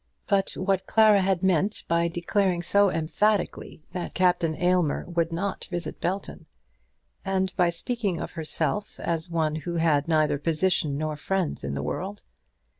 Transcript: But what had Clara meant by declaring so emphatically that Captain Aylmer would not visit Belton, and by speaking of herself as one who had neither position nor friends in the world?